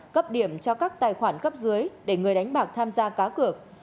cấp điểm cho các tài khoản cấp dưới để người đánh bạc tham gia cá cược